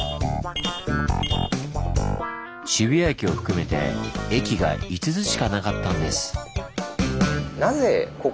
渋谷駅を含めて駅が５つしかなかったんです。